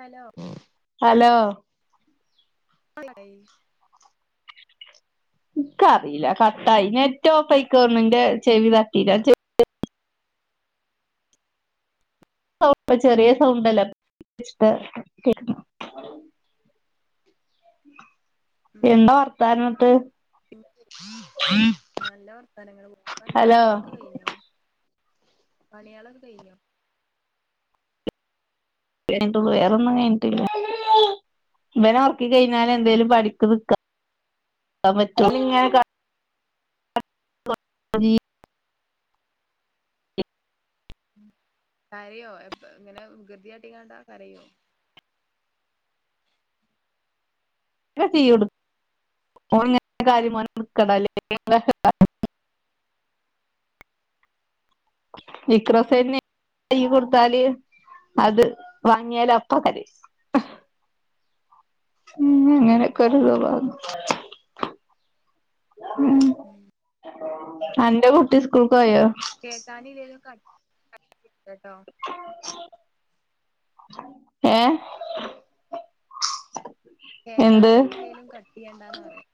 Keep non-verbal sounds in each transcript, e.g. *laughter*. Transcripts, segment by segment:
Hello hello മള ഇക്കറീല്ല കട്ടായി നെറ്റോഫയ്ക്കോന്നിന്റെ ചെവി തട്ടീട്ട ചെറിയ സൗണ്ടല്ല ഉം എന്താ വർത്താനോട്ട് *unintelligible* നല്ല വർത്തനങ്ങള് ഓ പ്പാൻ്റെ ഹലോ പണികളൊക്കെ കഴിഞ്ഞോ പണികളക്ക കഴിഞ്ഞോ *unintelligible* പോയ് വേറൊന്നും കഴിഞ്ഞിട്ടില്ല ഇവന ഒറക്കി കഴിഞ്ഞാല് എന്തേലും പഠിക്കുന്ന്തക്ക ക്കാ പറ്റോളു നിങ്ങൾക്കാ ഉം കരയും അവൻ ബ ഇങ്ങനെ ഗൃതിയാട്ടിക്കണ കണ്ടാ കരയും അവൻ ഇവിട തീയിടും ഓനിങ്ങനെ കാര്യം *unintelligible* നിക്കറോസന്നെ കയ്യ് കൊടുത്താല് അത് വാങ്ങിയാല് അപ്പ കരയും ഇഹ് ഉം അങ്ങനെക്ക ഒര് യുവാവാകുന്നു ഉം ഉം അൻ്റെ കുട്ടി സ്കൂൾ കേക്കാനേ ഇല്ലല്ലോ കട്ട് കട്ട് *unintelligible* കേട്ടോ ഏ എന്ത് കേക്കാന് ഇല്ലേലും കട്ട് യ്യണ്ടാന്ന് പറയാം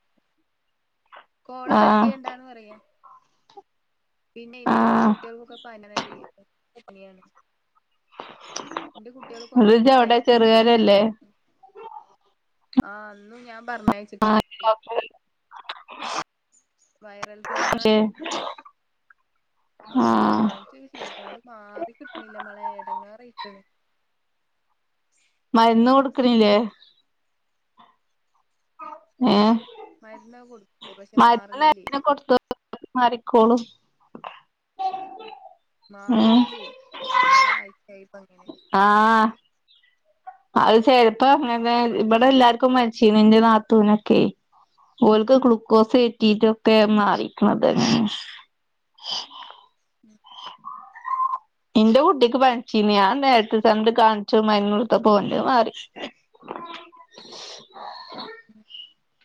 കോള് ആ കട്ട്‌യ്യണ്ടാന്ന് പറയാ പിന്നെ എന്റെ ആ കുട്ടികൾക്കൊക്ക പനനടി എ പനിയാണ് ന്റെ കുട്ടികള് കൊറേ ജ്ജ് ദിവസായി അവിടെ സ്കൂള് പോയിട്ട് ചെറുകരല്ലേ ആഹ് അന്ന് ഞാൻ പറഞ്ഞയച്ചിട്ടില്ല ആഹ് സ്കൂളിൽ കൊഴപ്പൊ വൈറൽ ഫേവറാണേ ആഹ് കാണിച്ച് ഇത് ശീലിപ്പ് അങ്ങോട്ട് മാറി കിട്ട്‌ണില്ല മോളേ എടങ്ങാറി ഇട്ടണ് മരുന്ന് കൊടുക്കണില്ലേ ഏ മരുന്ന് കൊടു മരുന്ന് അങ്ങന കൊടുത്തോർക്കക്ക മാറിക്കോളും ഉം മാറണില്ലേ ഒരാഴ്ചയായിപ്പ അങ്ങനെ ആഹ് അത് ശെരി ഇപ്പ ആ അങ്ങനെ ഇവിട എല്ലാർക്കും മര് ക്ഷീണിന്റെ നാത്തൂനക്കെ ഓൽക്ക് ഗ്ലൂക്കോസ് കേറ്റീറ്റൊക്കെ മാറി തിക്കണത് ഉം ന്റെ കുട്ടിക്ക് പനിച്ചീനി ഞാൻ നേരിട്ട് കണ്ട് കാണിച്ചു മരുന്ന് കൊട്ത്തപ്പോ അവൻ്റെ മാറി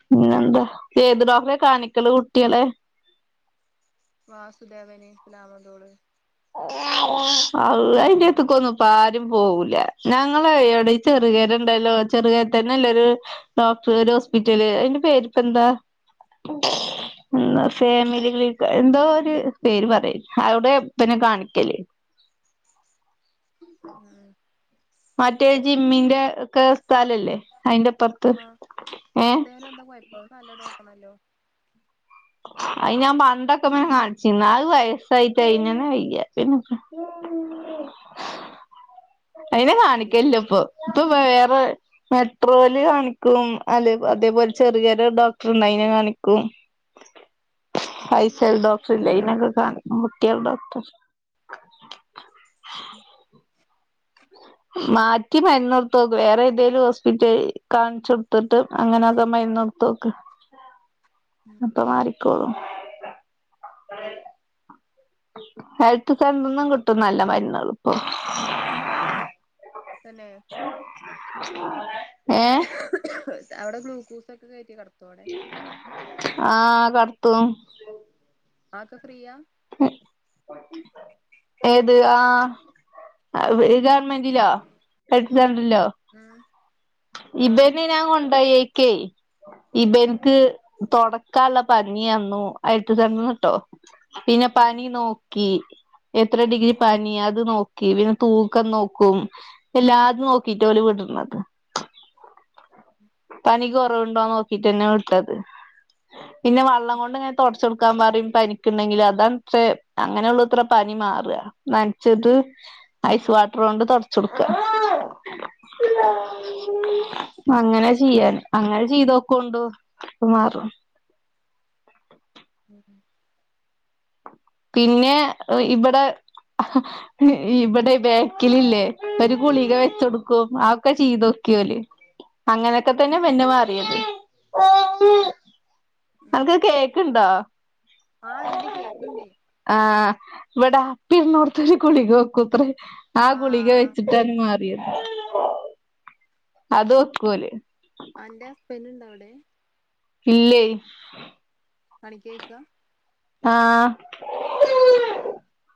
പിന്നെന്താ ഏത് ഡോക്ടറെ കാണിക്കല് കുട്ട്യേളെ വാസുദേവന് സ്ലാമാതോട് അള്ളാ അയിൻ്റടുത്തുക്കൊന്നും ഇപ്പ ആരും പോവൂല ഞങ്ങള ഇവിടെ ഈ ചെറുകര ണ്ടല്ലോ ചെറുകരേത്തന്നെല്ല ഒരു ഡോക്ടറ് ഒരു ഹോസ്പിറ്റല് അയ്ന്റെ പേര്പ്പ എന്താ ഇന്ന് ഫേമിലികളിൽ ക്ക് എന്തോ ഒരു പേര് പറയ് അവിടെ പിന്നെ കാണിക്കല് ഉം മറ്റേ ജിമ്മിന്റെ ക്കെ ആ സ്ഥല ഇല്ലേ അയിന്റെ ഇപ്പറത്ത് ഏ വാസുദേവന് എന്താ കൊഴപ്പം നല്ല ഡോക്ടറാണല്ലോ അയ് ഞാൻ പണ്ടൊക്കെ പേ കാണിച്ചിന്ന് അത് വയസ്സായിട്ടയിനന്ന് വയ്യ പിന്നെ അയ്നെ ഉം കാണിക്കല്ല ഇപ്പം ഇപ്പം വേറെ മെട്രോല് കാണിക്കും അല്ലെ അതേപോലെ ചെറിയൊരു ഡോക്ടറ്ണ്ട് അയിനെ കാണിക്കും ഉം ഫൈസൽ ഡോക്ടർ ഇല്ലേ അയിനെ ആ കുട്ടികളെ ഡോക്ടർ *inaudible* മാറ്റി മരുന്ന് കൊടുത്ത് നോക്കും വേറെ ഏതേലും ഹോസ്പിറ്റ കാണിച്ച കൊടുത്തിട്ട് അങ്ങനെയൊക്കെ മരുന്ന് തോക്ക് ഉം അപ്പൊ മാറിക്കോളും ഹെൽത്ത് സെൻ്റർന്നും കിട്ടും ന്നല്ല മരുന്നുകൾ ഇപ്പൊ തന്നെ ഏ അവിടെ കുൽക്കൂസൊക്കെ കേട്ടി ആ കട്ത്തും ആക്ക ഫ്രീയ ഏത് ആ *unintelligible* മന്റിലോ എക്സൻണ്ടറിലോ ഉം ആഹ് ഇബെന്നെ ഞാൻ കൊണ്ടായി ഏ കെ ഇപ്പനിക്ക് തുടക്കുള്ള പഞ്ചാബ് തന്നു ഹെൽത്ത് സെന്ററിന് ഇട്ടോ പിന്നെ ഉം ഉം പനി നോക്കി എത്ര ഡിഗ്രി പനി അത് നോക്കി പിന്നെ തൂക്കം നോക്കും എല്ലാതും നോക്കിട്ട്ഓല വിടുന്നത് *inaudible* എനിക്ക് കുറവുണ്ടോന്ന് നോക്കിട്ട്ന്നെ വിടുത്തത് പിന്നെ വെള്ളം കൊണ്ട് ഇങ്ങനെ തുടച്ച കൊടുക്കാൻ പററയും പനി ഉണ്ടെങ്കിൽ അതാത്രേ അങ്ങനെയുള്ള ഇത്ര പനി മാറ നനച്ച് ഐസ് വാട്ടർ കൊണ്ട് തുടച്ച കൊടുക്ക ഉ *unintelligible* അങ്ങനെ ചെയ്യൻ അങ്ങനെ ചെയ്തൊക്കോണ്ട് അപ്പ മാറും *inaudible* ഉം *inaudible* പിന്നെ ഇവിടെ ഇവിടെ ബാക്കിലില്ലേ ഒരു ഗളിക വെച്ചൊടുക്കും ആ ഒൊക്കെ ചെയ്തോക്കി ല് അങ്ങനെയൊക്കെ തന്നെ പിനെ മാറിയത് നനക്ക് കേക്ക് ഇണ്ടോ ആഹ ഇണ്ട് കേക്കുണ്ട് ആഹ വവിടെ അപ്പി ഇനോടത്ത് കുളികക്കൂത്രേ ആ ഗുളിക ആഹ് വെച്ചിട്ടാണ് മാറിയത് ആ അതുവക്കോല് അന്റെ *inaudible* ഇല്ലേ പണിക്ക് പോയിക ആഹ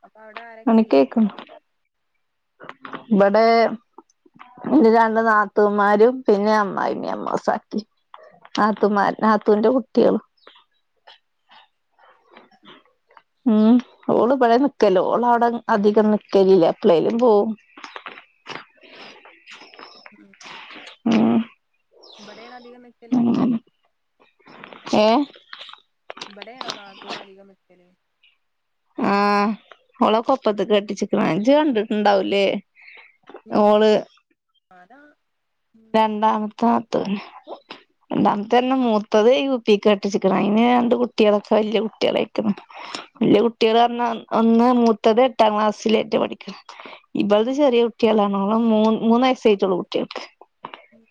അപ്പൊ അവിടെ ആരൊക്കെ ഇള്ള അപ്പൊ ഇടെ എന്റെ രണ്ട് നാത്തൂമാരും പിന്നെ അമ്മായിമ്മ അമ്മ സാങ്ക നാത്തുമാ നാത്തുവിന്റെ കുട്ടികൾ *inaudible* ഉം ഓള് ഇവിടെ നിക്കല് ഓൾ അവിടെ അധികം നിക്കലില്ല എപ്പളേലും പോവും *inaudible* ഉം ഇവിടെയാണ് അധികം നിക്കല് ഏ ഇവിടെയാണോ നാത്തൂന് അധികം നിക്കല് ആഹ് ഓള കൊപ്പത്ത് കെട്ടിച്ചിക്ക ഇജ് കണ്ടിട്ടുണ്ടാവൂലേ ഓള് ആരാ രണ്ടാമത്താത്ത് രണ്ടാമത്തന്നെ മൂത്തത് യു പിക്ക് കെട്ടിച്ചിക്കണ അയിന് രണ്ട് കുട്ട്യേളൊക്കെ വലിയ കുട്ട്യേളായ്ക്കണ് വെല്യ കുട്ട്യേള് പറഞ്ഞ ഒന്ന് മൂത്തത് എട്ടാം ക്ലാസ്സിലേറ്റ് പഠിക്കണ് ഇബൾത് ചെറിയ കുട്ട്യേളാണ് ഓളെ മൂ മൂന്ന് വയസ്സായിട്ടൊള്ളു കുട്ട്യേൾക്ക് ഉം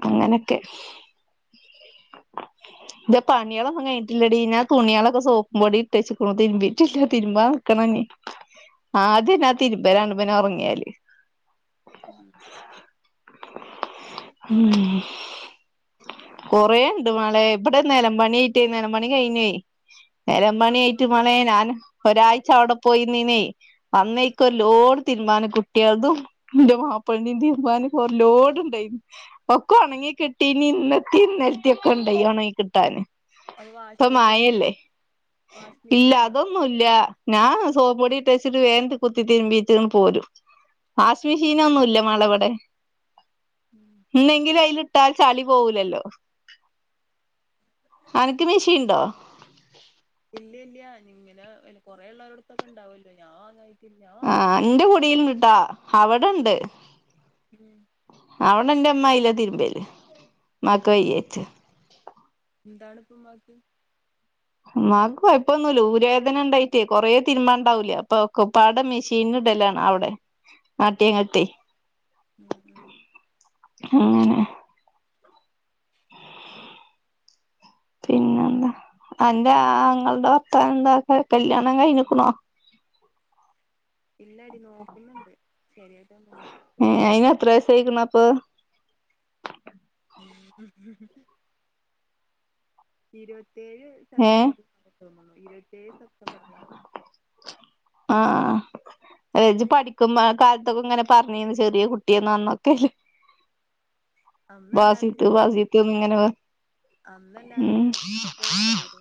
ഉം അങ്ങനൊക്കെ *inaudible* ഇന്റെ പണിയേളൊന്നും കഴഞ്ഞിട്ടില്ലടി ഞാൻ തുണിയളൊക്കെ സോപ്പും പൊടി ഇട്ട് വെച്ച്കണു തിരുമ്പിട്ടില്ല തിരുമ്പ നിക്കണ ഇനി *inaudible* ആദ്യം ഞാൻ തിരുമ്പലാണ് പിന്നെ ഉറങ്ങിയാല് ഉം ഉം കൊറേണ്ടോ കൊറേണ്ട് മാളെ ഇപ്പതെ നിലംമ്പണിറ്റേ നിലമ്പണി കഴിഞ്ഞേ ആഹ് ആഹ് നെരംമ്പണിയായിട്ട് മാളേ ഞാൻ ഒരാഴ്ച അവിടെ പോയിന്നീനേ ഉം അന്നേക്ക് ഒരു ലോടെ തീരുമ്പാനും കുട്ട്യേൾതും ഇന്റെ മാപ്പൾന്റെയും തീരുമ്പാന് ഒരു ലോഡ്ണ്ടായി ഒക്കൊ ഒണങ്ങി കിട്ടിനി ഇന്നത്തെ ഇന്നൽത്തി ഒക്കെ ഉണ്ടായി ഉണങ്ങി കിട്ടാന് അത് ഇപ്പ വാഷിംഗ് മെഷീൻല്ലേ മയല്ലേ വാഷിംഗ് ഇല്ല മെഷീൻ ഉണ്ടോ അതൊന്നുല്ല്യ ഞാൻ സോപ്പു പൊടിട്ട് വച്ചിട്ട് വേം കുത്തിതിരുമ്പീട്ടാണ് പോയത് വാഷ് മിഷീനൊന്നുല്ല്യ മാളെ ഇവടെ ഉം ഇന്നെങ്കിലും അയ്ല് ഇട്ടാൽ ചളി പോവൂലല്ലോ അനക്ക് മിഷീണ്ടോ ഇല്ല ഇല്ല ഇങ്ങനെ കൊറെ ഉള്ളവരടത്തൊക്കെ ഇണ്ടാവല്ലോ ഞാൻ അങ്ങ ആ ഇന്റെ കുടീലിണ്ട്ട്ടാ അവിടെണ്ട് ഉം അവിടെ ഇന്റെ മ്മാ അയില തിരുമ്പല് മ്മാക്ക് വയ്യേച്ച് എന്താണ്പ്പമ്മാക്ക് മ്മാക്ക് കൊഴപ്പൊന്നുല്ല്യ ഊരവേദന ഉണ്ടായിട്ടേ കൊറേ തിരുമ്പാണ്ടാവൂലേ അപ്പൊ ഒക്കപ്പാടെ മെഷീൻല് *unintelligible* അവടെ ഉ ഉം ഉ എങ്ങനെ പിന്നെന്താ അന്റെ ആങ്ങൾടെ വർത്താനെന്താ കല്യാണം കഴിഞ്ഞുക്കുണോ ഇല്ലടി നോക്കുന്നുണ്ട് ശരിയായിട്ടൊന്നുല്ല്യ പ്പ് *inaudible* ഇരുപത്തേഴ് ഏ സെപ്റ്റംബറിലാ തോന്നുന്നു ഇരുപത്തേഴ് സെപ്റ്റംബറിലാവും *inaudible* ഏ ഇജി പഠിക്കുന്ന കാലത്തൊക്കെ ഇങ്ങനെ പറഞ്ഞീന് ചെറിയ കുട്ടിയെന്നാന്നൊക്കെല്ലെ വാസിത്ത് വാസിത്ത് ഇങ്ങനെ അന്ന് എല്ലാരും ഉം ചെറുപ്പൊക്കെ വലുതായില്ലെ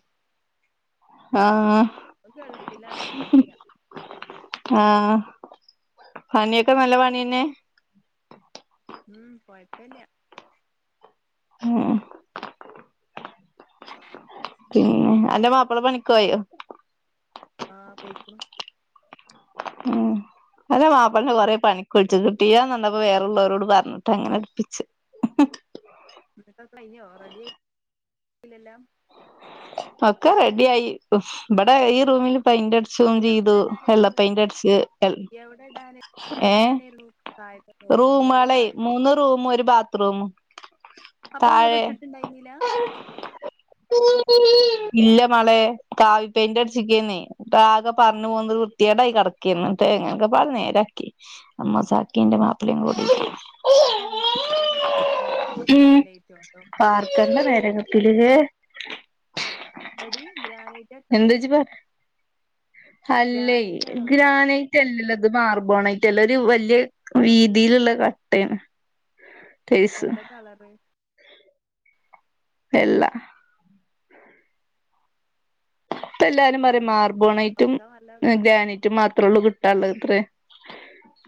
ആഹ ഇപ്പോ ഗൾഫിലാണ് ഇബിടെയില്ല്യ ആഹ പണിയൊക്കെ നല്ല പണിയന്നെ ഉം കൊയ്പല്ല്യ ആഹ പിന്നെ അന്റെ മാപ്പിള പണിക്കോയോ ആഹ പെയ്ക്കണു ഉം അല്ല മാപ്പിൾക്ക് കൊറേ പണിക്കൊഴിച്ചു കിട്ടിയാന്ന് കണ്ടപ്പ വേറ ഉള്ളവരോട് പറഞ്ഞിട്ട് അങ്ങനെടപ്പിച്ച് ഇല്ലെല്ലാം ഒക്കെ റെഡിയായി. ഇവെടെ ഈ റൂമില് പെയിന്റെ എവെടിടാനാരുന്നു? എവെടിടാന്. എവെടിടാനാരുന്നു? ഹാ ഇപ്പ കൊ റൂമുളെ മൂന്ന് റൂമും ഒരു ബാത്ത്റൂമും. അപ്പൊയിതുവെരെ ഇട്ടിട്ടുണ്ടായ്ന്നില്ല? ഇല്ല മോളേ. കാവി പെയിന്റടച്ചിക്കന്നേ. അപ്പ ആകെ പറന്ന് പോന്ന് വൃത്തികേടായി കെടക്കന്ന്. ക്കെങ്ങനൊക്കെ പറഞ്ഞനേരാക്കി. അ മെസാക്കിന്റെ മാപ്പിളേയും കൂടി. എന്നിട്ട് എന്താ എന്താത്തിക്കണത് ഗ്രാനേറ്റോ അതോ? വാർക്കണ്ട നേരകത്തില് അടി എന്താച്ചിപർ ഹല്ലേ ഗ്രാനൈറ്റ് ആണോ ഇട്ടത് ഗ്രാനൈറ്റ് അല്ലല്ലോത്. ഇത് മാർബോണൈറ്റല്ല. ഒരു വെല്യാ വീതിലുള്ള കട്ടയണ്. എന്താ കളറ്? വെള്ള ഇപ്പല്ലാരും പറയും ഉം മാർബോണൈറ്റും പടച്ചോൻ നല്ല പ- ഗാനൈറ്റും മാത്രോള്ളൂ കിട്ടാനൊള്ളത്രേ.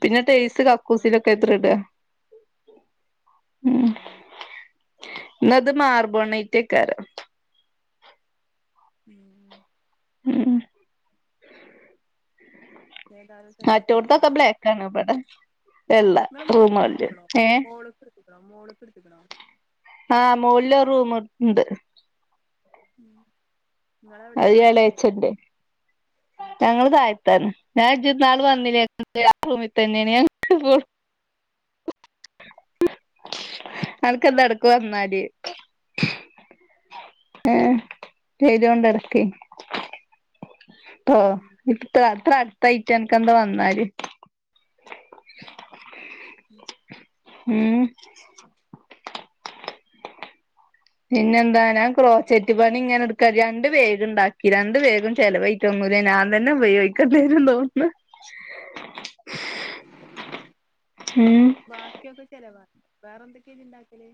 പിന്നെ ടേസ് കക്കൂസിലെക്കെ എത്രയിട്ക? ഉം എന്നത് മാർബോണൈറ്റിക്കര. ഉം ഉം ഏതായാലും മറ്റോടെതെക്കെ ബ്ലെക്ക്ണാടിവെടെ. നിങ്ങളെ മോളേ പിടിപ്പക്കണോ? മോളു പിടിക്കണോ? മോളുപിടി ആഹ് മോളില് റൂമൊണ്ട് ഉം ഇങ്ങളെവിടെ താഴത്തെ മോ അയാളേച്ചേന്റെ ഞങ്ങള് താഴത്തെ. ഞാൻ ജി ന്നാള് വന്നില്ലേ. ഞങ്ങളെ ആ റൂമിൽ തന്നെയാണ്. ഞങ്ങളിപ്പോൾ അനക്കെന്തെടാക്കുയെന്നാല് ഏഹ് ചെയ്തോണ്ടിറക്കേ. ട്ട് ഉം ഇട്ട് അത്ര അ തയ്റ്റ്നെക്കെന്താ വന്നാല്? ഉം ഉം പിന്നെന്താ ഞാൻ ക്രോസെറ്റ്പ്പണി ഞാനെടക്കാ. രണ്ടുപേരൊണ്ടാക്കി. രണ്ടു പേരും ചെലവായിട്ടൊന്നും. മുര ഞാൻ തന്നെ ഉപയോഗിക്കേണ്ടുവെരു തോന്ന്ന്ന്. അപ്പൊ ഉം ബാക്കിയെക്കെ ചെലവാ. വെറെന്തെക്കെയായിതൊണ്ടാക്കല്‌?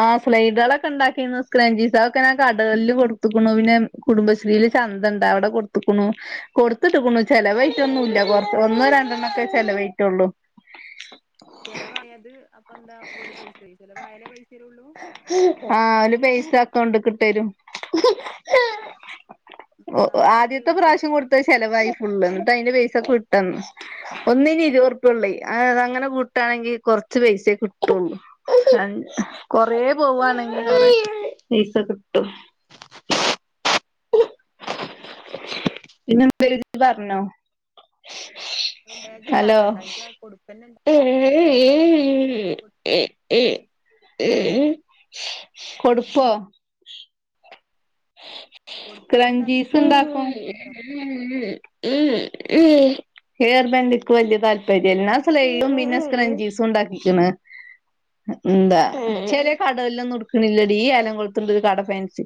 ആ സ്ലൈഡുക്കളൊക്കെ ഉണ്ടാക്കയാണ്. സ്ക്ലഞ്ചീസ തൊക്കെ ഞാൻ കടകളിൽ കൊടുത്തുക്കുന്നു. പിന്നെ കുടുംബശ്രീല് ചന്തൊണ്ട് അവെടെ കൊടുത്തുക്കുന്നു. കൊ ടുത്തിട്ടക്കുന്ന്. അല്ല കടകളില് ചെലവാഴിട്ടൊന്നുമില്ല. കൊടുത്തിട്ട് കൊറച്ച് ഒന്നോ രണ്ടെണ്ണക്കെ ചെലവാഴിറ്റൊള്ളൂ. ചെലവായത് അപ്പെന്താ ഒല് പൈസയേ. ചെലവായാലേ പൈസതെരുള്ളൂ? ആഹ ഒരു പൈസ അക്കൗണ്ടിക്ക് ഇട്ടരും. ഓ ഹ് ആരാ കൊണ്ടോയി ആദ്യത്തെ കൊടുത്തേ പ്രാവശ്യം ഇജ്ജോ കൊടുത്തത് ചെലവായി ഫുളള്. അതിന്റെ പൈസ കിട്ടും. ഒന്നിനിരുപ്പത്റുപ്പ്യേയുള്ളേ. അതങ്ങെനെ കൂട്ടാണെങ്കിൽ കൊറച്ച് പൈസ കിട്ടുള്ളൂ. അത് കൊറെ പോവാണെങ്കില് പൈസ കിട്ടും. പിന്നെന്തേലുതി പറ്ഞ്ഞോ. ബാഗ് ഹലോ ഇണ്ടാക്കണ്ട ഇജ്ജ് ആ കൊടുക്കന്നെ ഇണ്ടാക്കിക്കോ ബാഗ് ഇണ്ടാക്കണ്ട ഏ കൊടുപ്പ് കൊടുക്കന്നെ കഞ്ജിസ് ഇണ്ടാക്കിക്കോ എന്നിട്ട് ഉണ്ടാക്കും കടേ കൊടുത്താ മതി ഉം ഹെയർ ബാൻഡക്ക് വലിയ താല്പര്യല്ല സയിടും മിന്ന സ്ക്രഞ്ചീസും ഉണ്ടാക്കിണ് ഉം എന്താ ചെറിയ കടയിൽ ഒന്നും എടുക്കുന്നില്ലടി ഈ ആലംകുളത്തുണ്ട് ഒരു കട ഫാൻസി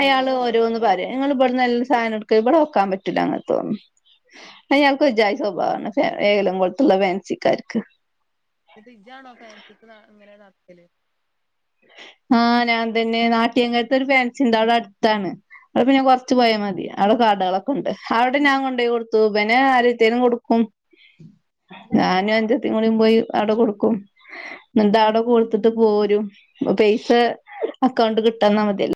അയാൾ ഓരോന്ന് പറയും ഞങ്ങ ഇവിടെന്ന് സാധനം എടുക്ക ഇവിടെ വെക്കാൻ പറ്റില്ല അങ്ങനെത്തെന്നും അയാൾക്ക് ഒരു ജാതി സ്വഭാവമാണ് ഏലം കൊടുത്തുള്ള ഫാൻസിക്കാർക്ക് ഫ്രിഡജാണോ ഫാൻസിക്ക് ഇങ്ങനെ നടക്കല് ആഹ് ഞാൻ തന്നെ നാട്ട്യങ്ങാലത്ത് ഒരു ഫാൻസിണ്ട് അവിടെ അടുത്താണ് അവിടെ പിന്നെ കൊറച്ചു പോയാൽ മതി അവിടെ കാടകളൊക്കെ ഉണ്ട് അവിടെ ഞാൻ കൊണ്ടു പോയി കൊടുത്തു പിന്നെ ആരത്തേനും കൊടുക്കും ഞാനും അനുജത്തികളുംകൂടെ പോയി അവിടെ കൊടുക്കും എന്നിട്ട് അവിടെ കൊടുത്തിട്ട് പോരും പൈസ അക്കൗണ്ട് കിട്ടന്നാൽ മതിയല്ലേ